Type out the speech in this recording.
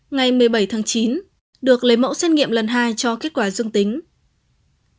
ngày một mươi bảy tháng chín được lấy mẫu xét nghiệm lần hai cho kết quả dương tính